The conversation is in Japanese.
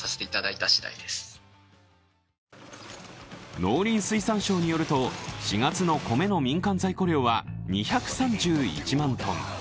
農林水産省によると４月の米の民間在庫量は２３１万ｔ。